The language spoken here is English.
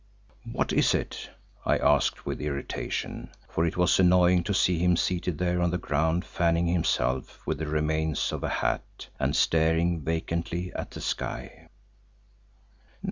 "What is it?" I asked with irritation, for it was annoying to see him seated there on the ground fanning himself with the remains of a hat and staring vacantly at the sky.